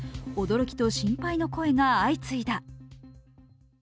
驚きと心配の声が相次いだ。